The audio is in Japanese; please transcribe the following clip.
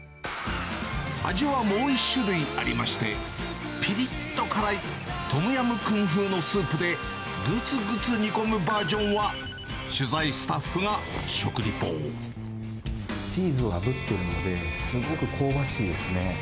味はもう１種類ありまして、ぴりっと辛いトムヤムクン風のスープで、ぐつぐつ煮込むバージョンは、チーズをあぶっているので、すごく香ばしいですね。